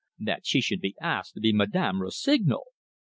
That she should be asked to be Madame Rossignol!